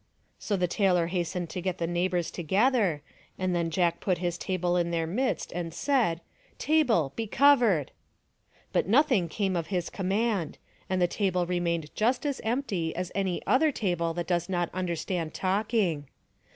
So the tailor hastened to get the neighbors together, and then Jack put his table in their midst and said, " Table, be covered !" But nothing came of his command, and the table remained just as empty as any other table that does not understand talking.